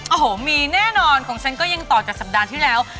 โอ้โหมีแน่นอนของฉันก็ยังต่อจากสัปดาห์ที่แล้ว